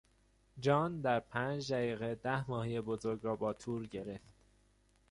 جان در پنج دقیقه ده ماهی بزرگ را با تور گرفت.